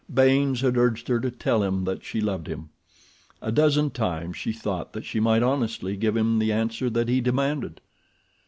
Baynes had urged her to tell him that she loved him. A dozen times she thought that she might honestly give him the answer that he demanded.